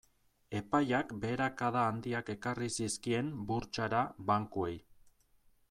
Epaiak beherakada handiak ekarri zizkien burtsara bankuei.